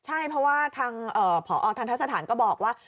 ใช่เพราะว่าทางผอทันทะสถานก็บอกว่า